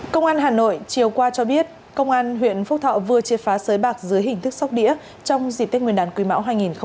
công an hà nội chiều qua cho biết công an huyện phúc thọ vừa triệt phá sới bạc dưới hình thức sóc đĩa trong dịp tết nguyên đán quý mão hai nghìn hai mươi